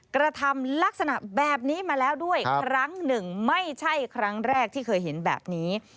กระทำลักษณะแบบนี้มาแล้วด้วยครั้งหนึ่งไม่ใช่ครั้งแรกที่เคยเห็นแบบนี้